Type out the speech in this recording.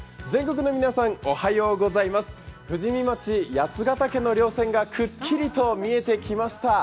全国の皆さんおはようございます、富士見町の八ヶ岳のりょう線がくっきりと見えてきました。